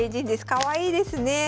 かわいいですね。